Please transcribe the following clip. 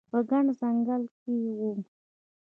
په ګڼ ځنګل کې وم